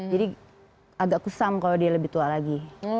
jadi agak kusam kalau dia lebih tua lagi